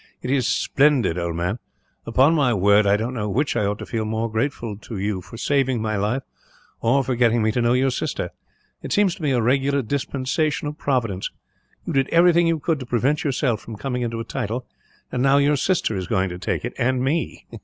It is splendid, old man; upon my word, I don't know which I ought to feel most grateful to you for saving my life, or for getting me to know your sister. It seems to me a regular dispensation of Providence. You did everything you could to prevent yourself from coming into a title; and now your sister is going to take it, and me.